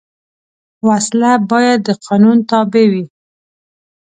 وسله باید د قانون تابع وي